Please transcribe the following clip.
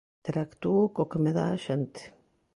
Interactúo co que me dá a xente.